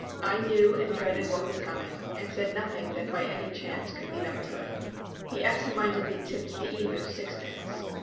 I knew and dreaded what was coming, and said nothing that by any chance could lead up to it. He absent mindedly tipped the emu sixpence.